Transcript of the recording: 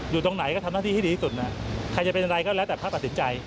อยู่ตรงไหนก็ทำหน้าที่ให้ดีที่สุดนะใครจะเป็นอะไรก็แล้วแต่ถ้าตัดสินใจ